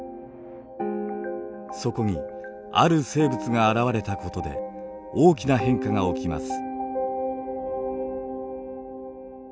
そこにある生物が現れたことで大きな変化が起きます。